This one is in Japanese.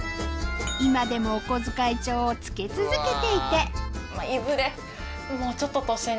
今でもお小遣い帳を付け続けていていずれ。